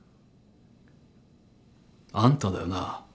あんただよな？